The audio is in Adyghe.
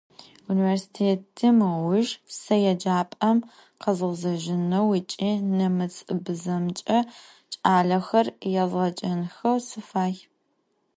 Vunivêrsitêtım ıujj se yêcap'em khezğezejıneu ıç'i nemıtsıbzemç'e ç'alexer yêzğecenxeu sıfay.